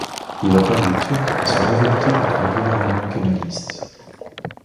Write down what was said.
Il appelle les Turcs à se révolter contre le gouvernement kémaliste.